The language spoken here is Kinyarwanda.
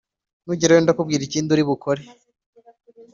nugerayo ndakubwira ikindi uri bukore.